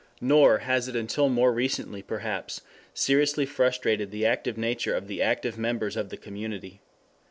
Nor has it, until more recently perhaps, seriously frustrated the active nature of the active members of the community.